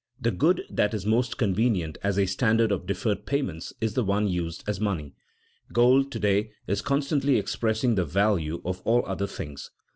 _ The good that is most convenient as a standard of deferred payments is the one used as money. Gold to day is constantly expressing the value of all other things.